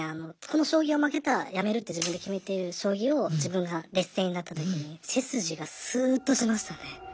この将棋を負けたらやめるって自分で決めている将棋を自分が劣勢になった時に背筋がスーッとしましたね。